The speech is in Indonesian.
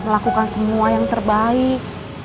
melakukan semua yang terbaik